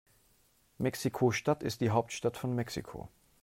Mexiko-Stadt ist die Hauptstadt von Mexiko.